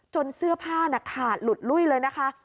เสื้อผ้าขาดหลุดลุ้ยเลยนะคะ